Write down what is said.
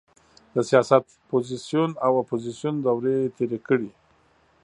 د سیاست پوزیسیون او اپوزیسیون دورې یې تېرې کړې.